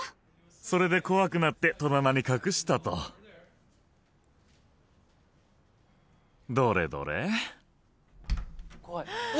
それで怖くなって戸棚に隠したとどれどれ？